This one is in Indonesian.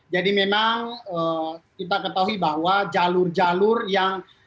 jadi memang kita ketahui bahwa jalur jalur yang